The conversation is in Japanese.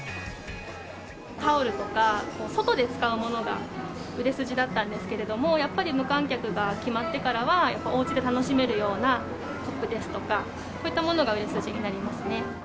タオルとか、外で使うものが売れ筋だったんですけれども、やっぱり無観客が決まってからは、おうちで楽しめるようなコップですとか、こういったものが売れ筋になりますね。